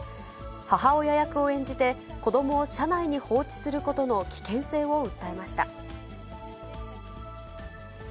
母親役を演じて、子どもを車内に放置することの危険性を訴えました。